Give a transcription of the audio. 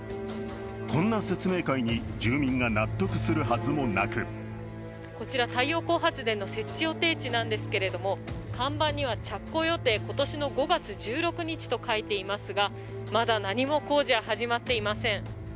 こんな説明会に住民が納得するはずもなくこちら、太陽光発電の設置予定地なんですけど看板には着工予定、今年の５月１６日と書いていますがまだ何も工事は始まっていません。